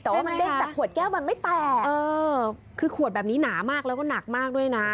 แต่ว่ามันเด้งแต่ขวดแก้วมันไม่แตกเออคือขวดแบบนี้หนามากแล้วก็หนักมากด้วยนะ